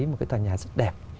một cái tòa nhà rất đẹp